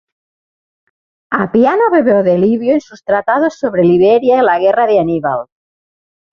Apiano bebió de Livio en sus tratados "Sobre Iberia" y "La guerra de Aníbal".